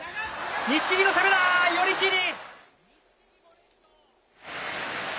錦木の攻めだ、寄り切り。